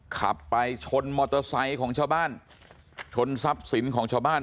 ขับไปชนมอเตอร์ไซค์ของชาวบ้านชนทรัพย์สินของชาวบ้าน